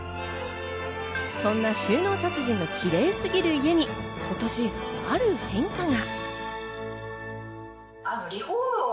そんな収納達人のキレイすぎる家に今年ある変化が。